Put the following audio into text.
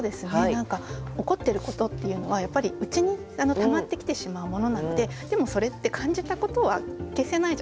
何か怒ってることっていうのはやっぱり内にたまってきてしまうものなのででもそれって感じたことは消せないじゃないですか。